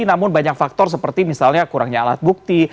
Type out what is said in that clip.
namun banyak faktor seperti misalnya kurangnya alat bukti